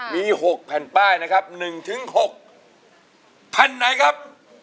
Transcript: มี๖แผ่นป้ายนะครับ๑๖แผ่นไหนครับ